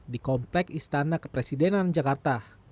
di komplek istana kepresidenan jakarta